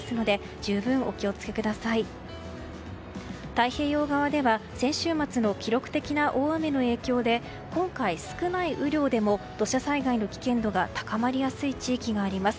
太平洋側では、先週末の記録的な大雨の影響で今回、少ない雨量でも土砂災害の危険度が高まりやすい地域があります。